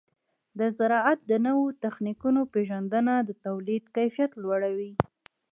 د زراعت د نوو تخنیکونو پیژندنه د تولید کیفیت لوړوي.